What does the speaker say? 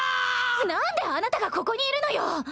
なんであなたがここにいるのよ！